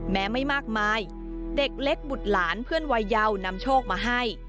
ไม่มากมายเด็กเล็กบุตรหลานเพื่อนวัยเยาวนำโชคมาให้